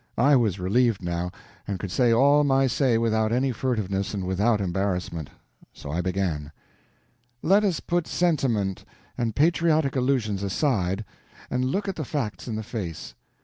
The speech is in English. I was relieved now, and could say all my say without any furtivenesses and without embarrassment. So I began: "Let us put sentiment and patriotic illusions aside, and look at the facts in the face.